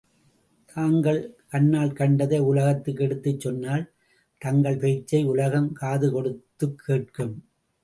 தாங்கள் கண்ணால் கண்டதை உலகத்துக்கு எடுத்துச் சொன்னால், தங்கள் பேச்சை உலகம் காது கொடுத்துக் கேட்கும்.